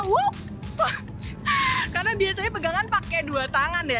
wah karena biasanya pegangan pakai dua tangan ya